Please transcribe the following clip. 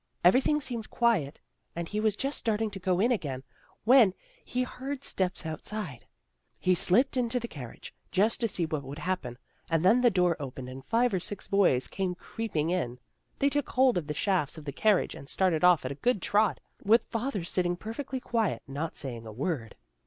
Everything seemed quiet, and he was just starting to go in again when he heard steps outside. He slipped into the carriage, just to see what would happen, and then the door opened and five or six boys came creeping in. They took hold of the shafts of the carriage and started off at a good trot, with father sit ting perfectly quiet, not saying a word."